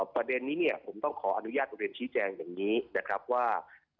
ประเด็นนี้เนี่ยผมต้องขออนุญาตเรียนชี้แจงอย่างนี้นะครับว่า